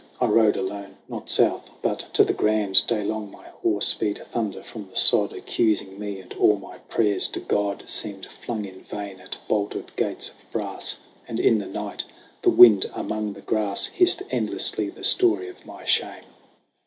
I rode alone not south, but to the Grand. Daylong my horse beat thunder from the sod, Accusing me; and all my prayers to God Seemed flung in vain at bolted gates of brass. And in the night the wind among the grass Hissed endlessly the story of my shame.